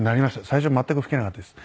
最初全く吹けなかったです。